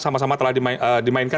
sama sama telah dimainkan